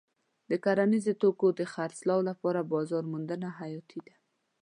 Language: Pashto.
د کرنیزو توکو د خرڅلاو لپاره بازار موندنه حیاتي ده.